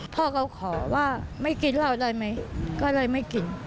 พ่อเขาขอว่าไม่กินเหล้าได้ไหมก็เลยไม่กิน